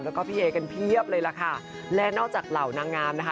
แล้วก็พี่เอกันเพียบเลยล่ะค่ะและนอกจากเหล่านางงามนะคะ